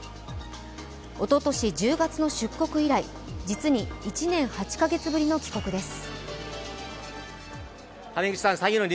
おととし１０月の出国以来実に１年８カ月ぶりの帰国です。